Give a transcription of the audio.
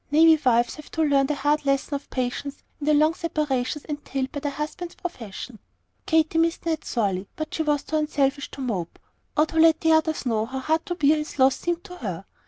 Navy wives have to learn the hard lesson of patience in the long separations entailed by their husbands' profession. Katy missed Ned sorely, but she was too unselfish to mope, or to let the others know how hard to bear his loss seemed to her.